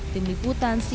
tim liputan cnn indonesia